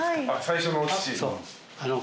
最初のお乳？